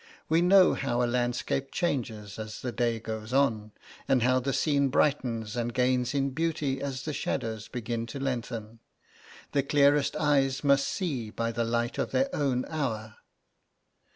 We know how a landscape changes as the day goes on, and how the scene brightens and gains in beauty as the shadows begin to lengthen. The clearest eyes must see by the light of their own hour.